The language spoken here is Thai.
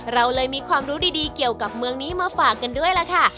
เราเลยมีความรู้ดีเกี่ยวกับเมืองนี้มาฝากกันด้วยล่ะค่ะ